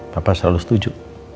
papa selalu setuju